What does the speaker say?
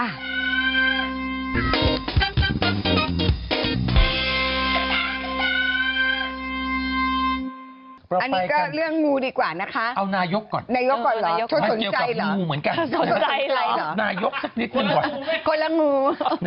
อันนี้ก็เรื่องงูดีกว่านะคะนายกก่อนเหรอทศนใจเหรอทศนใจเหรอนายกสักนิดก่อนคนละงู